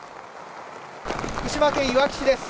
福島県いわき市です。